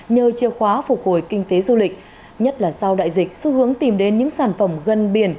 nhờ chìa khóa phục hồi kinh tế du lịch nhất là sau đại dịch xu hướng tìm đến những sản phẩm gần biển